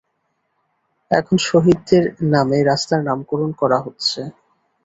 এখন শহীদদের নামে রাস্তার নামকরণ করা হচ্ছে।